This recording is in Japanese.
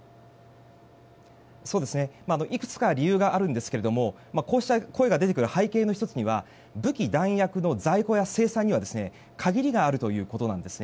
いくつか理由があるんですけれどもこうした声が出てくる背景の１つには武器、弾薬の在庫や生産には限りがあるということです。